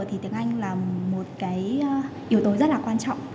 thì tiếng anh là một cái yếu tố rất là quan trọng